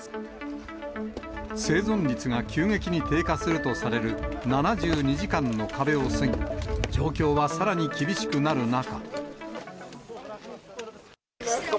生存率が急激に低下するとされる７２時間の壁を過ぎ、状況はさらに厳しくなる中。